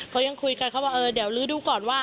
เขายังคุยกันเขาบอกเออเดี๋ยวลื้อดูก่อนว่า